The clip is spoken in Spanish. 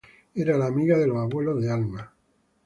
Era la amiga de los abuelos de Alma.